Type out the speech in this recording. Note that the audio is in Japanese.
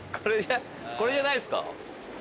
これじゃないですか？